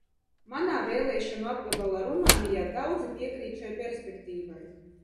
Manā vēlēšanu apgabalā Rumānijā daudzi piekrīt šai perspektīvai.